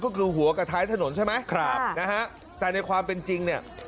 ก็คือหัวกับท้ายถนนใช่ไหมครับนะฮะแต่ในความเป็นจริงเนี่ย